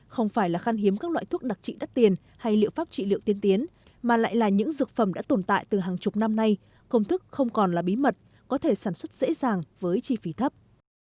không phải là khan hiếm các loại thuốc đặc trị đắt tiền hay liệu pháp trị liệu tiên tiến mà lại là những dược phẩm đã tồn tại từ hàng chục năm nay công thức không còn là bí mật có thể sản xuất dễ dàng với chi phí thấp